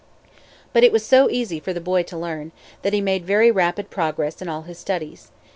But it was so easy for the boy to learn, that he made very rapid progress in all his studies.